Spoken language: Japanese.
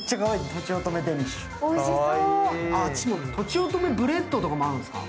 とちおとめブレッドとかもあるんですか？